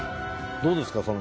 どうですか？